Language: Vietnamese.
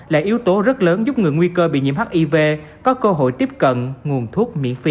là yếu tố rất lớn giúp người nguy cơ bị nhiễm hiv có cơ hội tiếp cận nguồn thuốc miễn phí